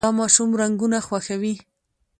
دا ماشوم رنګونه خوښوي.